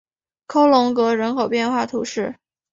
科隆格人口变化图示